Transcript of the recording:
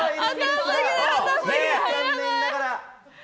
残念ながら。